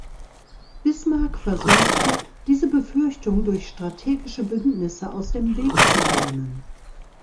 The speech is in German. Bismarck versuchte, diese Befürchtung durch strategische Bündnisse aus dem Weg zu räumen.